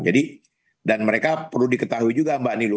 jadi dan mereka perlu diketahui juga mbak nilo